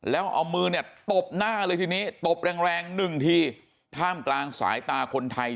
แล้วเอามือตบหน้าเลยทีนี้ตบแรง๑ทีถ้ามกลางสายตาคนไทย